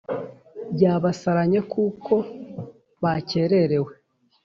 yabasaranye kuko bakererewe